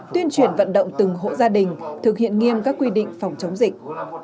tuyên truyền vận động từng hộ gia đình thực hiện nghiêm các quy định phòng chống dịch